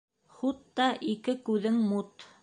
Хутта ике күҙең мут.